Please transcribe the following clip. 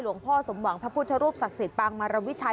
ล่วงพ่อสมหวังพระพุทธรูปศักดิ์ศรีษรักษีปรามรวิชัย